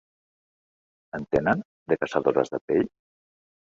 En tenen, de caçadores de pell?